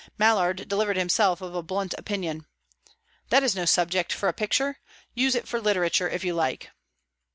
Mallard delivered himself of a blunt opinion. "That is no subject for a picture. Use it for literature, if you like."